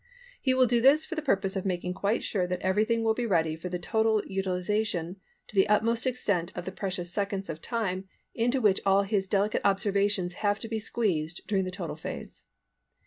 He will do this for the purpose of making quite sure that everything will be ready for the full utilisation to the utmost extent of the precious seconds of time into which all his delicate observations have to be squeezed during the total phase.